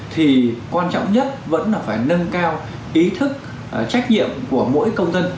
thì quan trọng nhất vẫn là phải nâng cao ý thức trách nhiệm của mỗi công dân